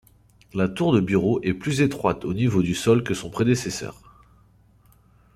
La tour de bureaux est plus étroite au niveau du sol que son prédécesseur.